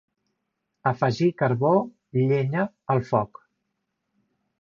Afegir carbó, llenya, al foc.